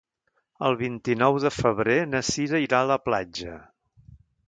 El vint-i-nou de febrer na Sira irà a la platja.